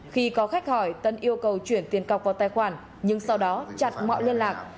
khi có khách hỏi tân yêu cầu chuyển tiền cọc vào tài khoản nhưng sau đó chặn mọi liên lạc